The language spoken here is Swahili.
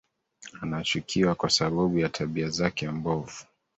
Anachukiwa kwa sababu ya tabia zake mbovu